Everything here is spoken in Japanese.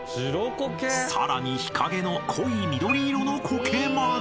［さらに日陰の濃い緑色のこけまで］